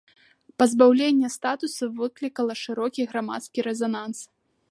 Пазбаўленне статусу выклікала шырокі грамадскі рэзананс.